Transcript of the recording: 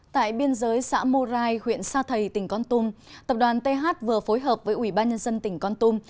tại biên giới xã mô rai huyện sa thầy tỉnh con tum tập đoàn th vừa phối hợp với ủy ban nhân dân tỉnh con tum